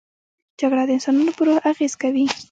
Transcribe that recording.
جګړه د انسانانو پر روح اغېز کوي